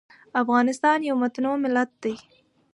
افغانستان یو متنوع ملت دی.